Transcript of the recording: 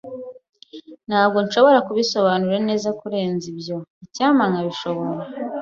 Ntabwo nshobora kubisobanura neza kurenza ibyo. Icyampa nkabishobora.